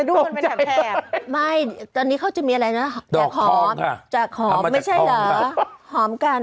อูอือมันเค้าบริหารสะในนะมันความรักก็นอน